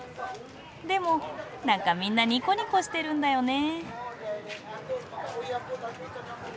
でも何かみんなニコニコしてるんだよね。